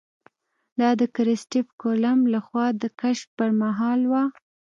دا د کرسټېف کولمب له خوا د کشف پر مهال وه.